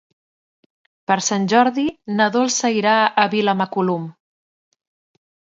Per Sant Jordi na Dolça irà a Vilamacolum.